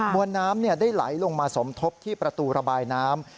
วนน้ำได้ไหลลงมาสมทบที่ประตูระบายน้ำ